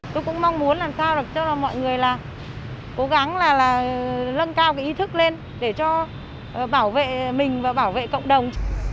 tôi cũng mong muốn làm sao cho mọi người là cố gắng là lân cao cái ý thức lên để cho bảo vệ mình và bảo vệ cộng đồng